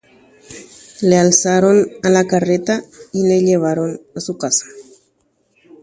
Ohupi karrétape ha ogueraha hikuái hógape.